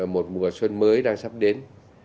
một mùa xuân mới đang sắp đến